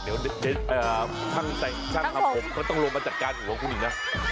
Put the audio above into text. เดี๋ยวช่างทำผมเขาต้องลงมาจัดการหัวคุณอีกนะ